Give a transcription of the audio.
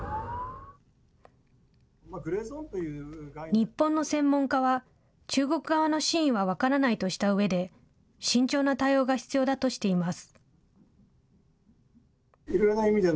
日本の専門家は、中国側の真意は分からないとしたうえで、慎重な対応が必要だとしています。